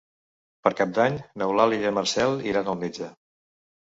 Per Cap d'Any n'Eulàlia i en Marcel iran al metge.